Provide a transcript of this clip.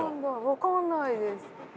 分からないです。